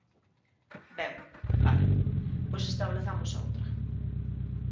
Ben, vale, pois establezamos outra.